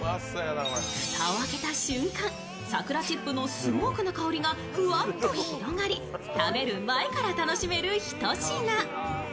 蓋を開けた瞬間、桜チップのスモークの香りがふわっと広がり食べる前から楽しめる一品。